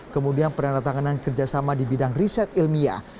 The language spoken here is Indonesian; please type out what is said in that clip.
kemudian penandatanganan kerjasama di bidang riset ilmiah